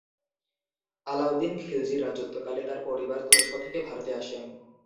আলাউদ্দিন খিলজির রাজত্বকালে তার পরিবার তুরস্ক থেকে ভারতে আসেন।